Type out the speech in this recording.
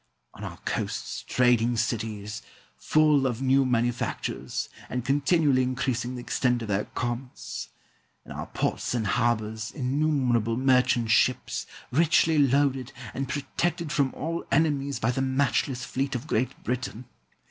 On our coasts trading cities, full of new manufactures, and continually increasing the extent of their commerce. In our ports and harbours innumerable merchant ships, richly loaded, and protected from all enemies by the matchless fleet of Great Britain.